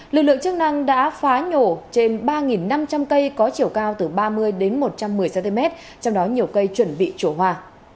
lực lượng chức năng đã phá nhổ trên ba năm trăm linh cây có chiều cao từ ba mươi đến một trăm một mươi cm trong đó nhiều cây chuẩn bị chỗ hoa